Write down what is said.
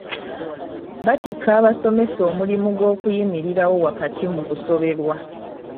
Bitikka abasomesa omulimu gw’okuyimirirawo wakati mu kusoberwa.